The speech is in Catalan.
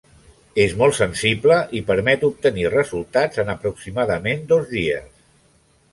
És molt sensible i permet obtenir resultats en aproximadament dos dies.